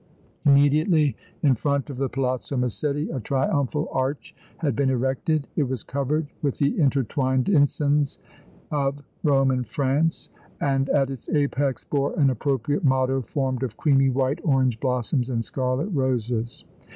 Immediately in front of the Palazzo Massetti a triumphal arch had been erected. It was covered with the intertwined ensigns of Rome and France and at its apex bore an appropriate motto formed of creamy white orange blossoms and scarlet roses.